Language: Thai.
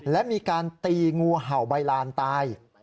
และมีการตีงูเห่าใบลานตาย